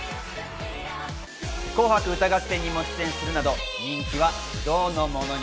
『紅白歌合戦』にも出演するなど、人気は不動のものに。